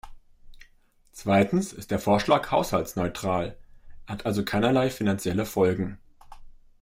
Zweitens ist der Vorschlag haushaltsneutral, er hat also keinerlei finanzielle Folgen.